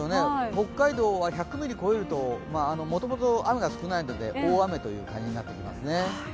北海道は１００ミリ超えると、もともと雨が少ないので、大雨という感じになってきますね。